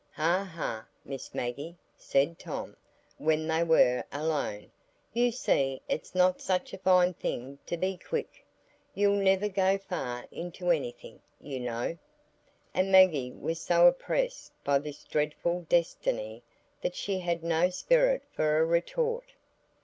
"Ha, ha! Miss Maggie!" said Tom, when they were alone; "you see it's not such a fine thing to be quick. You'll never go far into anything, you know." And Maggie was so oppressed by this dreadful destiny that she had no spirit for a retort.